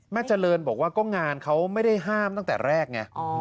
เจริญบอกว่าก็งานเขาไม่ได้ห้ามตั้งแต่แรกไง